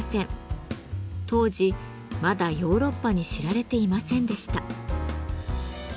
当時まだヨーロッパに知られていませんでした。